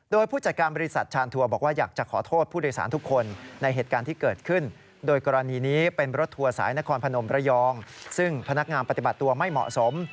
โดยผู้จัดการบริษัทชานทัวร์บอกว่าอยากจะขอโทษผู้โดยสารทุกคนในเหตุการณ์ที่เกิดขึ้นโดยกรณีนี้เป็นรถทัวร์สายนครพนมระยองซึ่งพนักงานปฏิบัติตัวไม่เหมาะสม